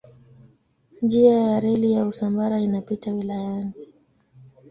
Njia ya reli ya Usambara inapita wilayani.